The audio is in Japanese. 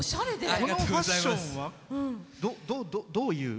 このファッションはどういう。